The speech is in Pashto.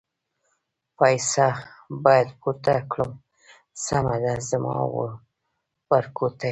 پایڅه باید پورته کړم، سمه ده زما ورکوټیه.